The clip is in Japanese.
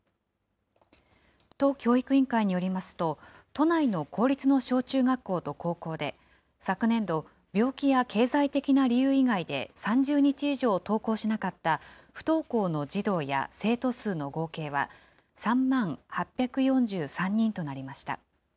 都教育委員会によりますと、都内の公立の小中学校と高校で、昨年度、病気や経済的な理由以外で、３０日以上登校しなかった不登校の児童や生徒数の合計は３万８４３人となりました。